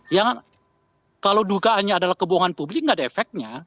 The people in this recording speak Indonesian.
ya kalau dugaannya adalah kebohongan publik gak ada efeknya